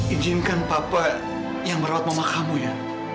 ijinkan papa yang merawat mamakamu ya